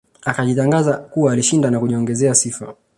Akajitangaza kuwa alishinda na kujiongezea sifa